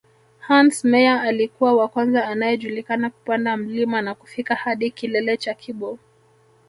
Hans Meyer alikuwa wa kwanza anayejulikana kupanda mlima na kufika hadi kilele cha Kibo